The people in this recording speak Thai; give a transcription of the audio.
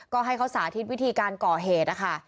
ก็ให้เขาสาธิตวิธีการก่อเหตุนะคะ